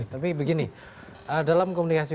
tapi begini dalam komunikasi